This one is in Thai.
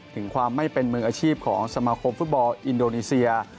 ถึงความไม่เป็นมืออาชีพของสมาคมฟุตบอลอินโดนีเซีย